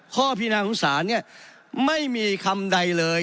ข้อพิจารณาของศาลเนี่ยไม่มีคำใดเลย